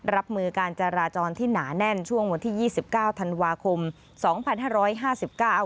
รับมือการจราจรที่หนาแน่นช่วงวันที่ยี่สิบเก้าธันวาคมสองพันห้าร้อยห้าสิบเก้า